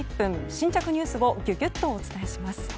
新着ニュースをギュギュッとお伝えします。